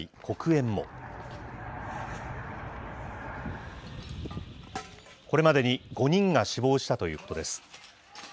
これまでに５人が死亡したということです。